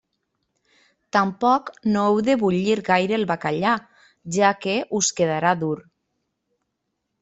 Tampoc no heu de bullir gaire el bacallà, ja que us quedarà dur.